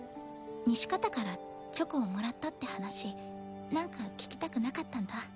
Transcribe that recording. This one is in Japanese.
西片からチョコをもらったって話なんか聞きたくなかったんだ。